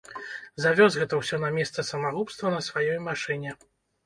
Завёз гэта ўсё на месца самагубства на сваёй машыне.